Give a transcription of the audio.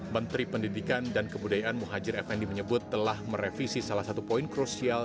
menteri pendidikan dan kebudayaan muhajir effendi menyebut telah merevisi salah satu poin krusial